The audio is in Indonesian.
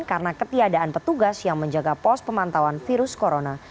karena ketiadaan petugas yang menjaga pos pemantauan virus corona